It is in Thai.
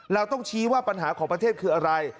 เราต้องชี้ว่าปัญหาของประเทศคืออะไร